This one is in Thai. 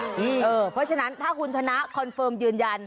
เพราะฉะนั้นถ้าคุณชนะคอนเฟิร์มยืนยัน